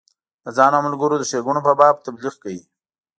د ځان او ملګرو د ښیګڼو په باب تبلیغ کوي.